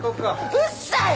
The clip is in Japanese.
うっさい！